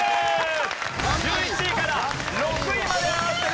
１１位から６位まで上がってください。